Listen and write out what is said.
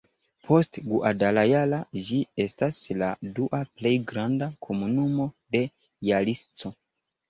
Post Guadalajara ĝi estas la dua plej granda komunumo de Jalisco.